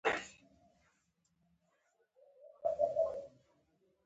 د دې دیوالونو نقاشۍ او جوړې شوې ودانۍ ځانګړی جذابیت لري.